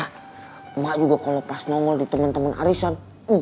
emak juga kalo pas nongol di temen temen arisan